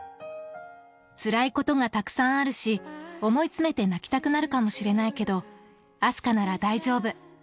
つらいことがたくさんあるし、思いつめて泣きたくなるかもしれないけど、明日香なら大丈夫。